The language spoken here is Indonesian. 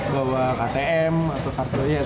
bawa ktm atau kartu